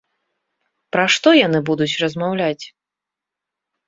Пра што яны будуць размаўляць?